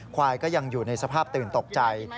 ควายก็ยังอยู่ในสภาพตื่นตกใจ